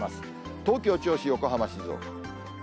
東京、銚子、横浜、静岡。